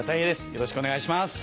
よろしくお願いします。